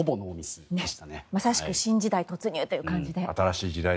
まさしく新時代突入という感じで。